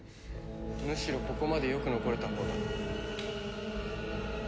むしろここまでよく残れたほうだ。